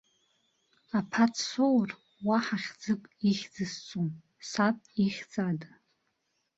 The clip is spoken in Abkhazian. Аԥа дсоур, уаҳа хьӡык ихьӡысҵом, саб ихьӡ ада.